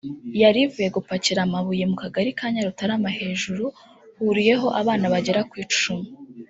yari ivuye gupakira amabuye mu mu Kagari ka Nyarutarama hejuru huriyeho abana bagera ku icumi